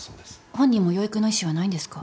本人も養育の意思はないんですか？